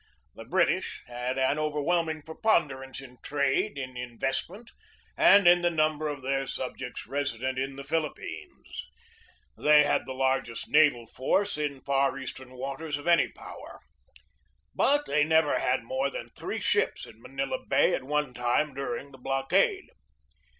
The British had an overwhelm ing preponderance in trade, in investment, and in the number of their subjects resident in the Philip pines. They had the largest naval force in Far East ern waters of any power. But they never had more than three ships in Manila Bay at one time during the blockade.